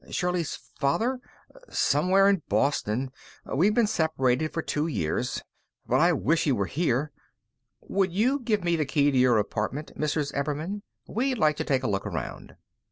"Shirley's father? Somewhere in Boston. We've been separated for two years. But I wish he were here!" "Would you give me the key to your apartment, Mrs. Ebbermann? We'd like to take a look around."